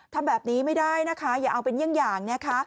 ทำแบบนี้ไม่ได้นะคะอย่าเอาเป็นเยี่ยงอย่างนะคะ